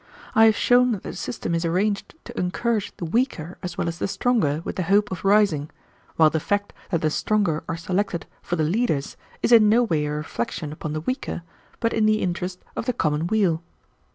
I have shown that the system is arranged to encourage the weaker as well as the stronger with the hope of rising, while the fact that the stronger are selected for the leaders is in no way a reflection upon the weaker, but in the interest of the common weal.